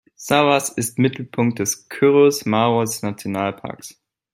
Szarvas ist Mittelpunkt des Körös-Maros-Nationalparks.